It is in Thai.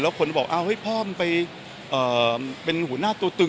แล้วคนบอกพ่อมันเป็นหัวหน้าตัวตึงหรือ